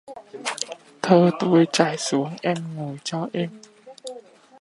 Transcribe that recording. Thơ tôi trải xuống em ngồi cho êm...